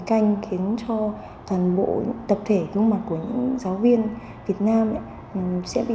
cái ngay khiến cho toàn bộ tập thể lúc mặt của những giáo viên việt nam sẽ bị ánh xấu đi